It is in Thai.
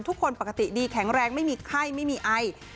ทุกคนปกติดีแข็งแรงไม่มีไข้ไม่มีไอ